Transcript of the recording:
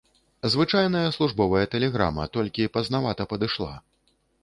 Звычайная службовая тэлеграма, толькі пазнавата падышла.